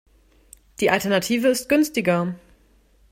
Die Alternative ist günstiger.